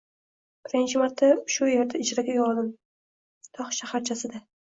Birinchi marta shu erda ijaraga uy oldim, tog` shaharchasida